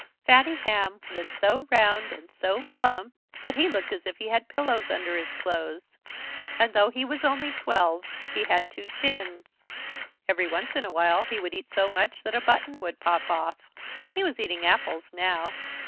Fatty Hamm was so round and so plump that he looked as if he had pillows under his clothes. And though he was only twelve he had two chins. Every once in a while he would eat so much that a button would pop off. He was eating apples now.